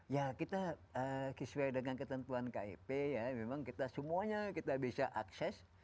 ya kita sesuai dengan ketentuan kip ya memang kita semuanya kita bisa akses